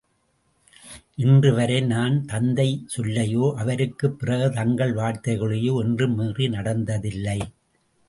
இன்று வரை நான் தந்தை சொல்லையோ, அவருக்குப் பிறகு தங்கள் வார்த்தையையோ என்றும் மீறி நடந்ததில்லை.